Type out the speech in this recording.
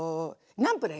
ナンプラー！へ。